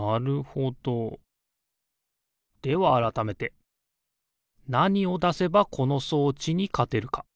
ではあらためてなにをだせばこの装置にかてるか？